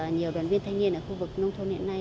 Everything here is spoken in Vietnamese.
nhiều đoàn viên thanh niên ở khu vực nông thôn hiện nay